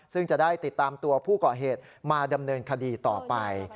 ซึ่งจะได้ติดตามตัวผู้ก่อเหตุมาดำเนินคดีต่อไป